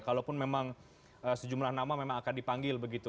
kalaupun memang sejumlah nama memang akan dipanggil begitu